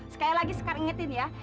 sekali lagi sekarang ingetin ya